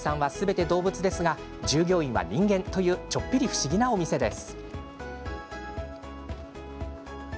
お客さんは、すべて動物ですが従業員は人間というちょっぴり不思議なお店です。